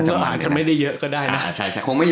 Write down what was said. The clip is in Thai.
ซึ่งก็อาจจะไม่ได้เยอะก็ได้นะ